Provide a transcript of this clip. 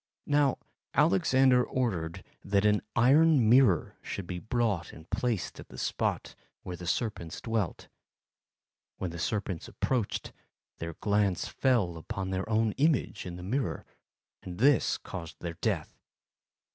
Now, Alexander ordered that an iron mirror should be brought and placed at the spot where the serpents dwelt. When the serpents approached, their glance fell upon their own image in the mirror, and this caused their death.